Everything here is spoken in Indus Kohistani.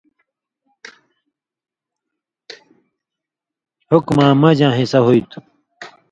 حُکماں مژاں حِصہ ہُوئ تھُو۔